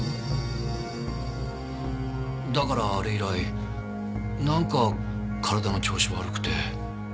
だからあれ以来なんか体の調子悪くて。